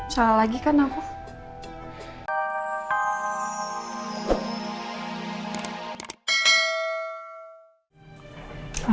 salah lagi kan aku